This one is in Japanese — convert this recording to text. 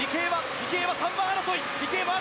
池江は３番争い。